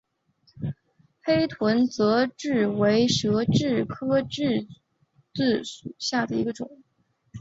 黑臀泽蛭为舌蛭科泽蛭属下的一个种。